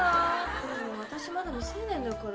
でも私まだ未成年だから。